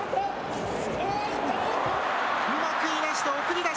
うまくいなして送り出し。